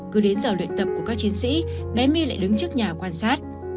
cứ đến giờ luyện tập của các chiến sĩ bé my lại đứng trước nhà quan sát